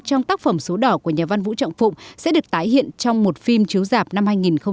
trong tác phẩm số đỏ của nhà văn vũ trọng phụng sẽ được tái hiện trong một phim chiếu dạp năm hai nghìn hai mươi